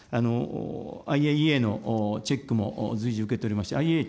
ＩＡＥＡのチェックも随時受けておりまして、ＩＡＥＡ